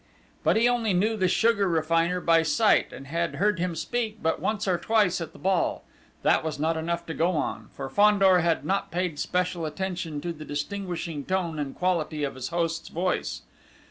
But he only knew the sugar refiner by sight, and had heard him speak but once or twice at the ball: that was not enough to go on, for Fandor had not paid special attention to the distinguishing tone and quality of his host's voice.